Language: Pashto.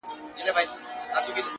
ما خپل گڼي اوس يې لا خـپـل نه يـمه.